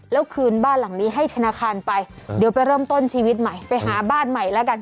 แล้วคืนบ้านหลังนี้ให้ธนาคารไปเดี๋ยวไปเริ่มต้นชีวิตใหม่ไปหาบ้านใหม่แล้วกัน